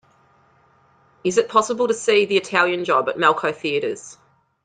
Is it possible to see The Italian Job at Malco Theatres